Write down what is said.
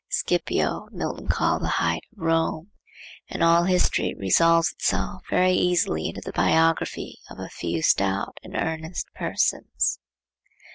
Scipio, Milton called "the height of Rome"; and all history resolves itself very easily into the biography of a few stout and earnest persons.